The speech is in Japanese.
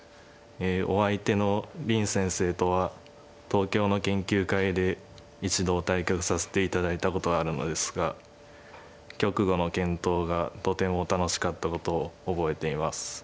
お相手の林先生とは東京の研究会で一度対局させて頂いたことがあるのですが局後の検討がとても楽しかったことを覚えています。